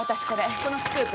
このスクープ。